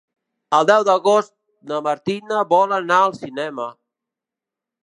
El deu d'agost na Martina vol anar al cinema.